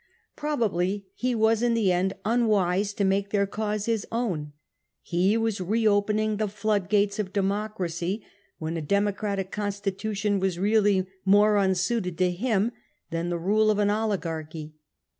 Probably he was in tine end unwise to make their cause his own ; he was reopening the floodgates of Democracy, when a Democratic con stitution was really more unsuited to him than tlie rule POMPEY 248 of an oligarchy.